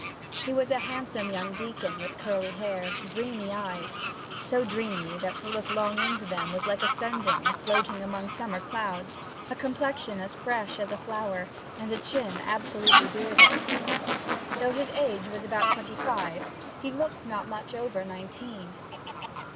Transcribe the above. He was a handsome young deacon with curly hair, dreamy eyes so dreamy that to look long into them was like ascending and floating among summer clouds a complexion as fresh as a flower, and a chin absolutely beardless. Though his age was about twenty five, he looked not much over nineteen.